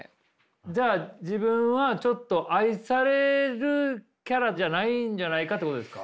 じゃあ自分はちょっと愛されるキャラじゃないんじゃないかってことですか？